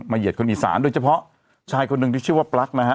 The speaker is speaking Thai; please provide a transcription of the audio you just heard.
เหยียดคนอีสานโดยเฉพาะชายคนหนึ่งที่ชื่อว่าปลั๊กนะฮะ